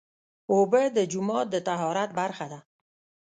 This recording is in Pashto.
اوبه د جومات د طهارت برخه ده.